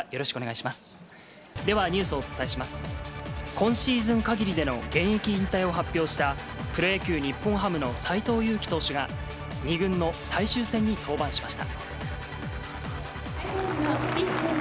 今シーズンかぎりでの現役引退を発表した、プロ野球・日本ハムの斎藤佑樹投手が、２軍の最終戦に登板しました。